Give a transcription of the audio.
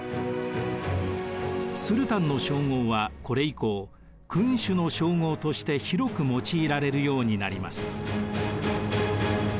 スルタンの称号はこれ以降君主の称号として広く用いられるようになります。